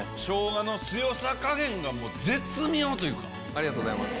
ありがとうございます。